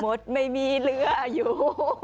หมดไม่มีเหลืออยู่